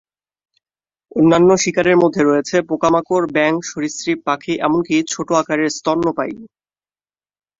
অন্যান্য শিকারের মধ্যে রয়েছে পোকামাকড়, ব্যাঙ, সরীসৃপ, পাখি এমনকি ছোট আকারের স্তন্যপায়ী।